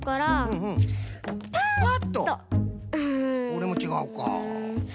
これもちがうか。